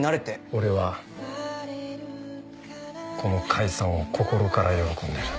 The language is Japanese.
俺はこの解散を心から喜んでる